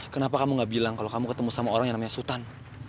kenapa kamu gak bilang kalau kamu ketemu sama orang yang namanya sultan